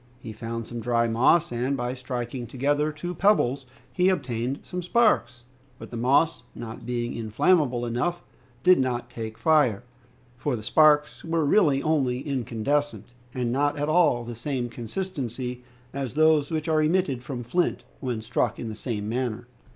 He found some dry moss, and by striking together two pebbles he obtained some sparks, but the moss, not being inflammable enough, did not take fire, for the sparks were really only incandescent, and not at all of the same consistency as those which are emitted from flint when struck in the same manner.